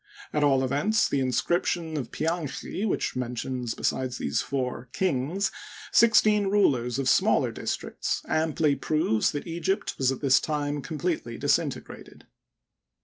At all events, the inscription of Pianchi, which mentions besides these four "kings six teen rulers of smaller districts, amply proves that Egypt was at this time completely disint elated.